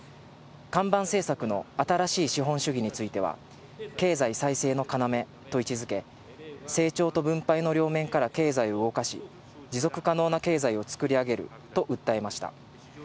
看板政策の新しい資本主義については、経済再生の要と位置づけ、成長と分配の両面から経済を動かし、持続可能な経済をつくり上げると訴えました。